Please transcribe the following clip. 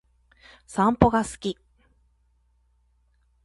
散歩が好き